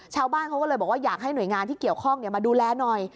ชาวบ้านเขาก็เลยบอกว่าอยากให้หน่วยงานที่เกี่ยวข้องมาดูแลหน่อย